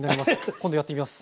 今度やってみます。